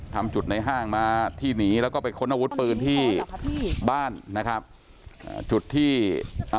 ทำจุดในห้างมาที่หนีแล้วก็ไปค้นอาวุธปืนที่บ้านนะครับอ่าจุดที่อ่า